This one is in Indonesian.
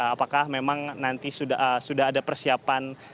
apakah memang nanti sudah ada persiapan